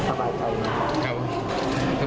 สบายใจอยู่ไหมครับ